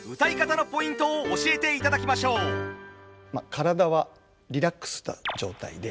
体はリラックスした状態で。